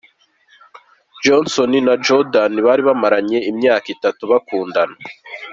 Jason na Jordin bari bamaranye imyaka itatu bakundana.